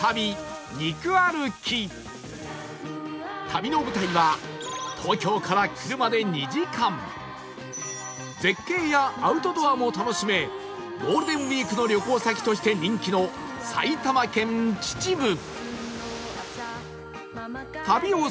旅の舞台は絶景やアウトドアも楽しめゴールデンウィークの旅行先として人気の埼玉県秩父